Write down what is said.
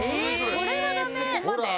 これはダメ。